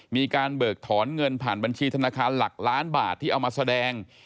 เบิกถอนเงินผ่านบัญชีธนาคารหลักล้านบาทที่เอามาแสดง